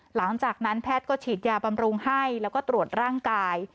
หลังจากนั้นแพทย์ก็ฉีดยาบำรุงให้แล้วก็ตรวจร่างกาย